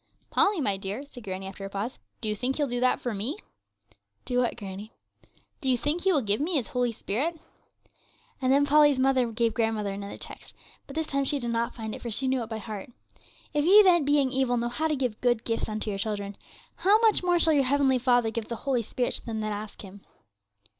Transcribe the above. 'Polly, my dear,' said granny, after a pause, 'do you think He'll do that for me?' 'Do what, granny?' 'Do you think He will give me His Holy Spirit?' And then Polly's mother gave grandmother another text; but this time she did not find it, for she knew it by heart, 'If ye then, being evil, know how to give good gifts unto your children, how much more shall your Heavenly Father give the Holy Spirit to them that ask Him?'